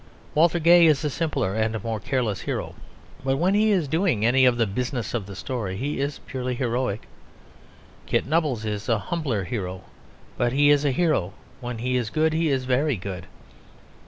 Walter Gay is a simpler and more careless hero, but when he is doing any of the business of the story he is purely heroic. Kit Nubbles is a humbler hero, but he is a hero; when he is good he is very good.